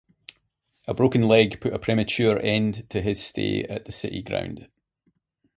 A broken leg put a premature end to his stay at the City Ground.